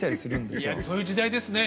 いやそういう時代ですね。